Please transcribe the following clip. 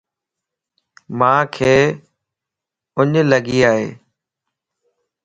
مانکَ اُنڃ لڳي ائي